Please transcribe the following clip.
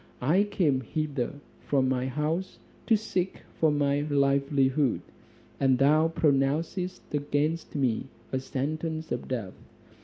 I came hither from my house to seek for my livelihood, and thou pronouncest against me a sentence of death.